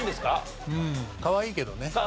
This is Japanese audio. かわいいけどね。